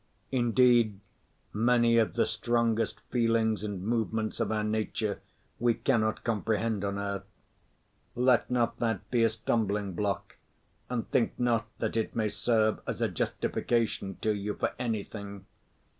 Indeed, many of the strongest feelings and movements of our nature we cannot comprehend on earth. Let not that be a stumbling‐block, and think not that it may serve as a justification to you for anything.